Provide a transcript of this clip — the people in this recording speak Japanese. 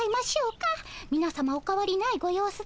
みなさまおかわりないご様子ですが。